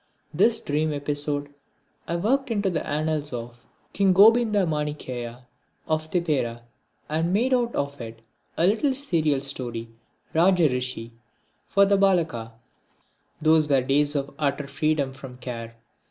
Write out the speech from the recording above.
This dream episode I worked into the annals of King Gobinda Manikya of Tipperah and made out of it a little serial story, Rajarshi, for the Balaka. Those were days of utter freedom from care.